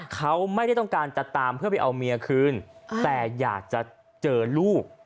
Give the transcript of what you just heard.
เขาไม่ได้ต้องการจะตามเพื่อไปเอาเมียคืนแต่อยากจะเจอลูก